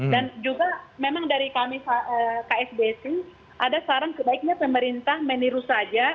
dan juga memang dari kami ksbc ada saran sebaiknya pemerintah meniru saja